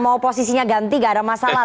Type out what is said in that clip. mau posisinya ganti gak ada masalah